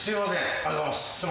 ありがとうございます。